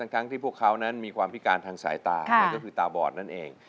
ทั้งที่พวกเขานั้นมีความพิการทางสายตานั่นก็คือตาบอดนั่นเอง